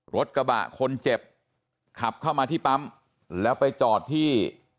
รถกระบะคนเจ็บขับเข้ามาที่ปั๊มแล้วไปจอดที่